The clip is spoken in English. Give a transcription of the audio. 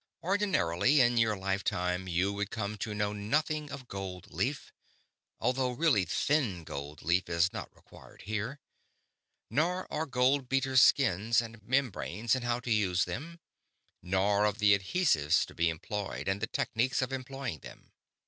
"Ordinarily, in your lifetime, you would come to know nothing of gold leaf although really thin gold leaf is not required here nor of gold beater's skins and membranes and how to use them, nor of the adhesives to be employed and the techniques of employing them.